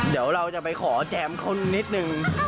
เดี๋ยวเราจะไปขอแจมคนนิดนึง